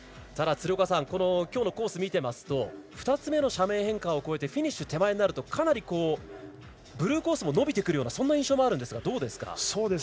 きょうのコース見てますと２つ目の斜面変化を越えてフィニッシュ手前になるとかなり、ブルーコースも伸びてくるような印象もあるんですがどうですか？